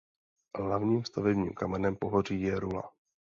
Hlavním stavebním kamenem pohoří je rula.